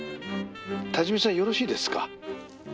「多治見さんよろしいですか？」